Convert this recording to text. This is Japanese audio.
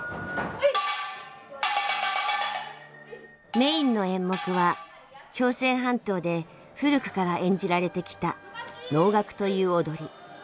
メインの演目は朝鮮半島で古くから演じられてきた「農楽」という踊り。